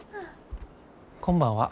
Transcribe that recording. こんばんは。